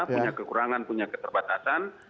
punya kekurangan punya keterbatasan